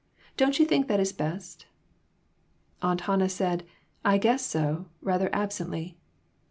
Don't you think that is best ?" Aunt Hannah said, "I guess so," rather absently.